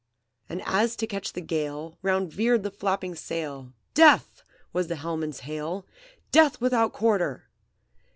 "And as to catch the gale Round veered the flapping sail, 'Death!' was the helmsman's hail, 'Death without quarter!'